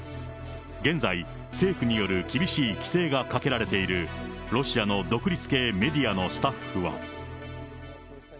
現在、政府による厳しい規制がかけられているロシアの独立系メディアのスタッフは。